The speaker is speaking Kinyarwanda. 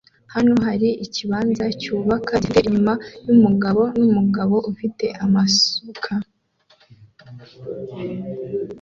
Hano hari ikibanza cyubaka gifite inyuma yumugabo numugabo ufite amasuka